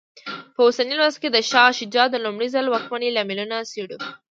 په اوسني لوست کې د شاه شجاع د لومړي ځل واکمنۍ لاملونه څېړو.